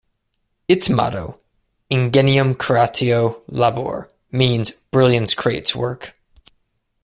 Its motto, "Ingenium Creatio Labor", means "brilliance creates work".